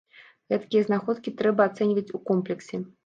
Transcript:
Гэткія знаходкі трэба ацэньваць у комплексе.